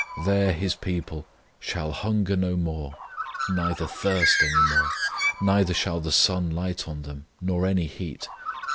There His people "shall hunger no more, neither thirst any more; neither shall the sun light on them, nor any heat.